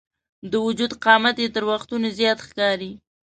د وجود قامت یې تر وختونو زیات ښکاري.